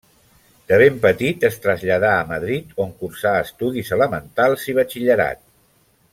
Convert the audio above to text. De ben petit es traslladà a Madrid on cursà estudis elementals i batxillerat.